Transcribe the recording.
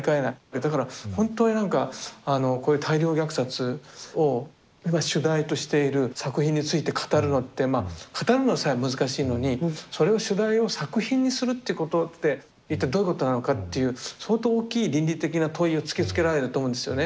だから本当に何かこういう大量虐殺を主題としている作品について語るのってまあ語るのさえ難しいのにそれを主題を作品にするっていうことって一体どういうことなのかっていう相当大きい倫理的な問いを突きつけられると思うんですよね。